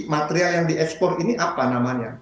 material yang diekspor ini apa namanya